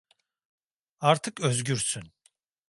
Artık özgürsün.